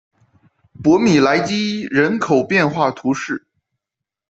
博米莱基伊人口变化图示